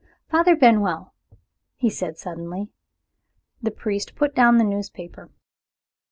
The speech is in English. "Father Benwell!" he said suddenly. The priest put down the newspaper.